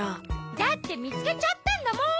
だってみつけちゃったんだもん。